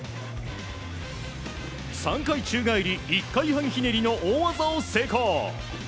３回宙返り１回半ひねりの大技を成功。